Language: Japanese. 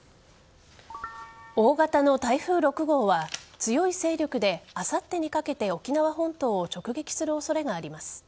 大型の台風６号は、強い勢力であさってにかけて、沖縄本島を直撃する恐れがあります。